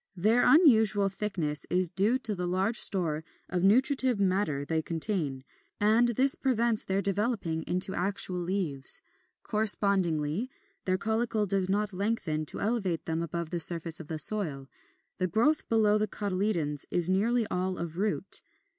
Their unusual thickness is due to the large store of nutritive matter they contain, and this prevents their developing into actual leaves. Correspondingly, their caulicle does not lengthen to elevate them above the surface of the soil; the growth below the cotyledons is nearly all of root.